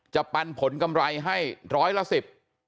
ปันผลกำไรให้ร้อยละสิบ